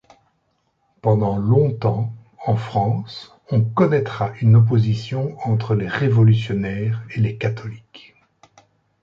Pendant longtemps, en France, on connaîtra une opposition entre les révolutionnaires et les catholiques.